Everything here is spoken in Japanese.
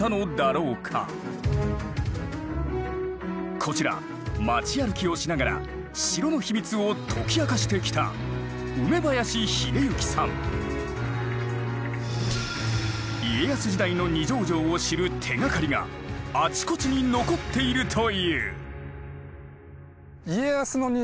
こちら街歩きをしながら城の秘密を解き明かしてきた家康時代の二条城を知る手がかりがあちこちに残っているという。